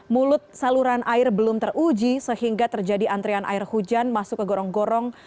mulut saluran air belum teruji sehingga terjadi antrian air hujan masuk ke gorong gorong